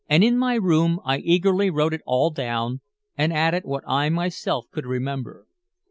In my room I eagerly wrote it all down and added what I myself could remember.